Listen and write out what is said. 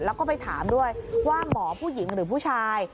แล้วก็ไปถามด้วยว่าหมอผู้หญิงหรือผู้ชาย